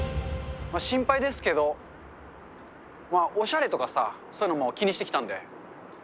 心配ですけど、おしゃれとかさ、そういうのも気にしてきたんで。